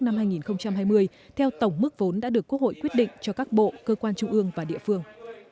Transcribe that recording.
năm hai nghìn hai mươi theo tổng mức vốn đã được quốc hội quyết định cho các bộ cơ quan trung ương và địa phương